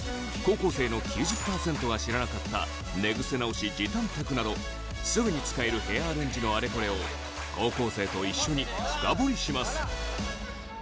高校生の９０％は知らなかった寝グセ直し時短テクなどすぐに使えるヘアアレンジのあれこれを高校生と一緒に深掘りします！